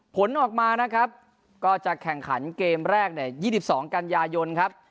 ผลออกมานะครับก็จะแข่งขันเกมแรกใน๒๒กันยายนครับ